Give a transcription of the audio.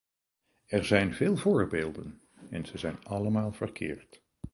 Er zijn veel voorbeelden, en ze zijn allemaal verkeerd.